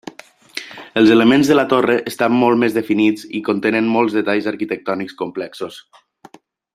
Els elements de la torre estan molt més definits i contenen molts detalls arquitectònics complexos.